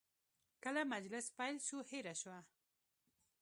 کله مجلس پیل شو، هیره شوه.